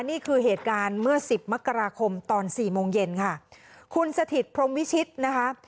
นี่คือเหตุการณ์เมื่อสิบมกราคมตอนสี่โมงเย็นค่ะคุณสถิตพรมวิชิตนะคะ